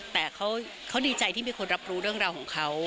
แต่เขาดีใจที่มีคนรับรู้เรื่องราวของเขา